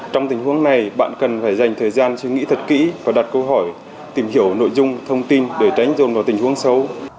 trong tình huống này bạn cần phải dành thời gian suy nghĩ thật kỹ và đặt câu hỏi tìm hiểu nội dung thông tin để tránh dồn vào tình huống xấu